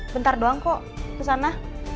bentar doang kok kesana